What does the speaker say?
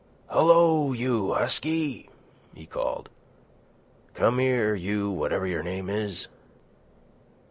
"Hello, you husky!" he called. "Come here, you whatever your name is."